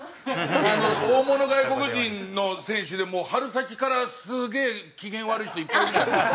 大物外国人の選手でもう春先からすげえ機嫌悪い人いっぱいいるじゃないですか。